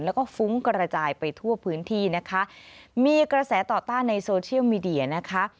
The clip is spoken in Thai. แล้วก็ฟุ้งกระจายไปทั่วพื้นที่นะคะมีกระแสต่อต้านในโซเชียลมีเดียนะคะ